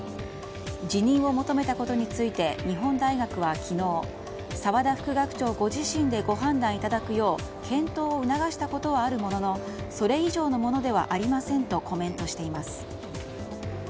辞任を求めたことについて日本大学は昨日沢田副学長ご自身でご判断いただくよう検討を促したことはあるもののそれ以上のものではありませんとコメントしています。